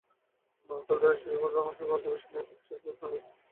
বহুকাল ধরিয়া চিকাগো ধর্ম-মহাসভার অধিবেশন ইতিহাসে একক স্থান অধিকার করিয়া থাকিবে।